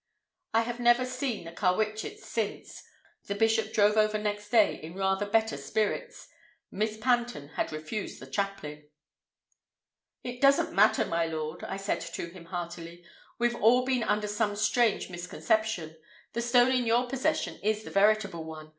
I have never seen the Carwitchets since. The bishop drove over next day in rather better spirits. Miss Panton had refused the chaplain. "It doesn't matter, my lord," I said to him heartily. "We've all been under some strange misconception. The stone in your possession is the veritable one.